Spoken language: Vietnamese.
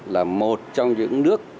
là một trong những nước